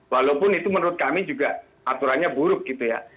walaupun itu menurut kami juga aturannya buruk gitu ya